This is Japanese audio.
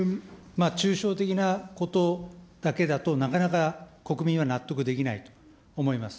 抽象的なことだけだと、なかなか国民は納得できないと思います。